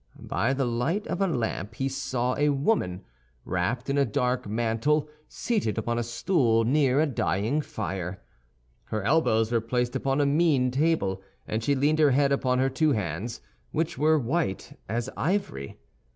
By the light of a lamp he saw a woman, wrapped in a dark mantle, seated upon a stool near a dying fire. Her elbows were placed upon a mean table, and she leaned her head upon her two hands, which were white as ivory.